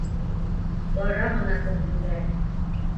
Бара ғына күрһендәр.